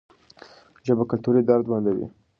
ژبه کلتوري درز بندوي.